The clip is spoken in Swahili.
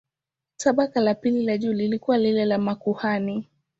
Tabaka la pili la juu lilikuwa lile la makuhani.